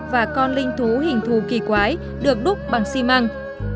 và con linh thú hình thù kỳ quái được đúc bằng xi măng